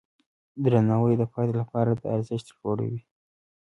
درناوی د فرد لپاره د ارزښت لوړوي.